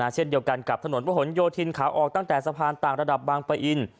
เช่นเดียวกันกับถนนประหลโยธินขาออกตั้งแต่สะพานต่างระดับบางปะอิน